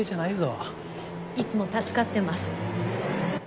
いつも助かってます。